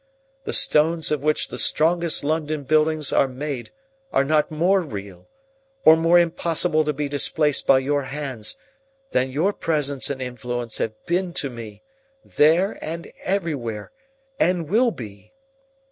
The stones of which the strongest London buildings are made are not more real, or more impossible to be displaced by your hands, than your presence and influence have been to me, there and everywhere, and will be.